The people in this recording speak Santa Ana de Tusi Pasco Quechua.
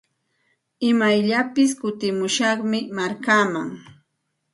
Imayllapis kutimushaqmi markaaman.